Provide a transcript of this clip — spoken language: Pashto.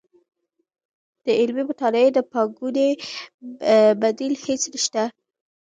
د علمي مطالعې د پانګوونې بدیل هیڅ نشته.